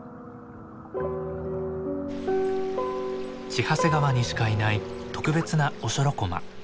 千走川にしかいない特別なオショロコマ。